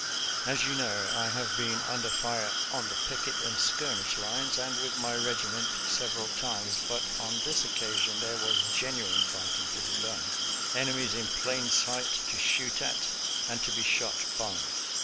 As you know, I have been un der fire on the picket and skirmish lines, and with my regiment several times, but on this oc casion there was genuine fighting to be done — enemies in plain sight to shoot at and to be shot by.